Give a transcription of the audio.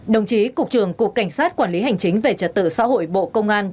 đồng chí cục trưởng cục cảnh sát quản lý hành chính về trật tự xã hội bộ công an